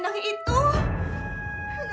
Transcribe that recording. di mana saya taruh selendang itu